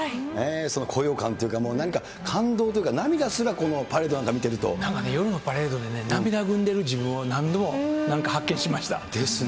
その高揚感というか、もうなんか、感動というか、涙すら、このパレ夜のパレードでね、涙ぐんでる自分を何度も、なんか発見しました。ですね。